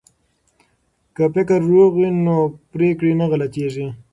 که فکر روغ وي نو پریکړه نه غلطیږي.